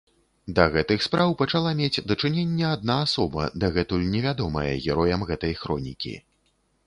Да гэтых спраў пачала мець дачыненне адна асоба, дагэтуль невядомая героям гэтай хронікі.